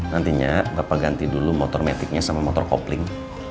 nantinya bapak ganti dulu motor metiknya sama motor kopling